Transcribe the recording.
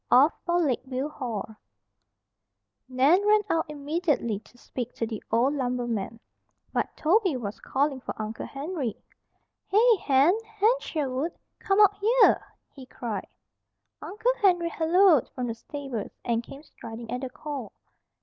OFF FOR LAKEVIEW HALL Nan ran out immediately to speak to the old lumberman; but Toby was calling for Uncle Henry: "Hey, Hen! Hen Sherwood! Come out yere," he cried. Uncle Henry halloaed from the stables, and came striding at the call.